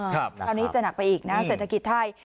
คราวนี้จะหนักไปอีกนะเศรษฐกิจไทย